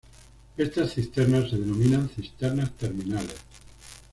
Estas cisternas se denominan cisternas terminales.